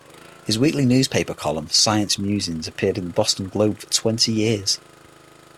His weekly newspaper column "Science Musings" appeared in the Boston Globe for twenty years.